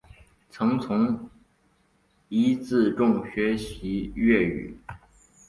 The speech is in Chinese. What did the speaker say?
曾从尹自重学习粤曲。